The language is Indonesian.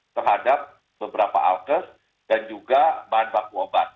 terhadap beberapa alkes dan juga bahan baku obat